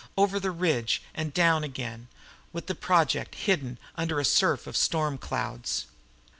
Over the ridge and down again, with the Project hidden under a surf of storm clouds.